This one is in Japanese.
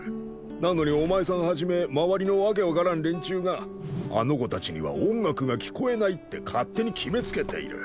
なのにお前さんはじめ周りの訳分からん連中があの子たちには音楽が聞こえないって勝手に決めつけている。